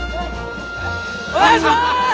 お願いします！